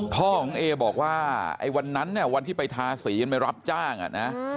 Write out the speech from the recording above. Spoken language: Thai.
ก็สกอยู่นะอ๋อดูนิ้วป้องทีพิวอยู่นะ